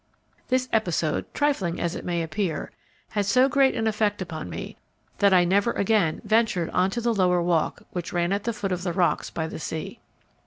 This episode, trifling as it may appear, had so great an effect upon me that I never again ventured on to the lower walk which ran at the foot of the rocks by the sea.